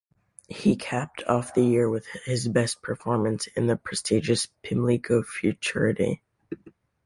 He capped off the year with his best performance in the prestigious Pimlico Futurity.